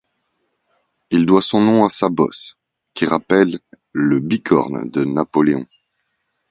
Il doit son nom à sa bosse, qui rappelle le bicorne de Napoléon.